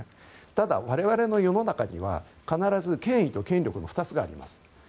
ただ、我々の世の中には必ず権威と権力の２つがあります。